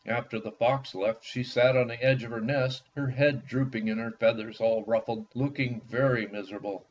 After the fox left she sat on the edge of her nest, her head drooping and her feathers all ruffled, looking very miserable.